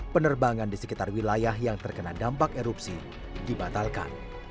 penerbangan di sekitar wilayah yang terkena dampak erupsi dibatalkan